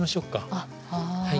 あっはい。